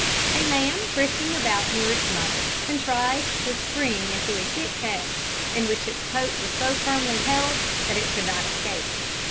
A lamb, frisking about near its mother, contrived to spring into a thick hedge, in which its coat was so firmly held that it could not escape.